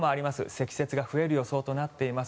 積雪が増える予想となっています。